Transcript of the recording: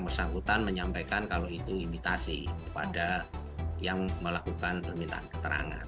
bersangkutan menyampaikan kalau itu imitasi kepada yang melakukan permintaan keterangan